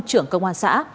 trưởng công an xã